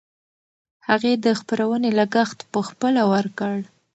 هغې د خپرونې لګښت پخپله ورکړ.